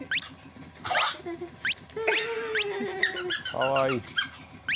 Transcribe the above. かわいい。